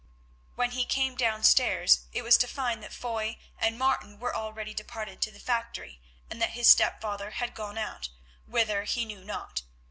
When he came downstairs it was to find that Foy and Martin were already departed to the factory, and that his stepfather had gone out, whither he knew not.